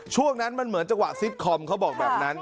ช่วงนั้นมันเหมือนจังหวะซิตคอมเขาบอกแบบนั้น